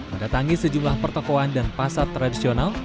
mendatangi sejumlah pertokohan dan pasar tradisional